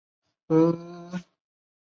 你怎么会有钱买这个？